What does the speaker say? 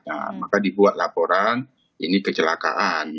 nah maka dibuat laporan ini kecelakaan